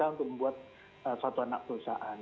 untuk membuat suatu anak perusahaan